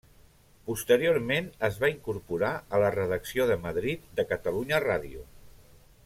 Posteriorment es va incorporar a la redacció de Madrid de Catalunya Ràdio.